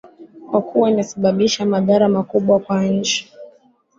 kwa kuwa imesababisha madhara makubwa kwa nchi